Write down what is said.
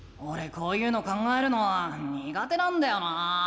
こういうの考えるのはにが手なんだよな。